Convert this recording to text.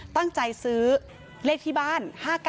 ตั้งใจซื้อเลขที่บ้าน๕๙